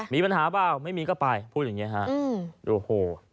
มีปัญหาเปล่าไม่มีก็ไปพูดอย่างนี้ฮะโอ้โห